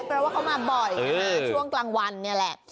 เพราะว่าเขามาบ่อยนะคะช่วงกลางวันนี่แหละ